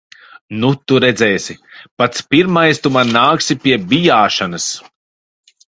Nu tu redzēsi. Pats pirmais tu man nāksi pie bijāšanas.